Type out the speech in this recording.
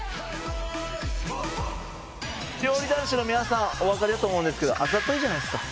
料理男子の皆さんおわかりだと思うんですけどあざといじゃないですか。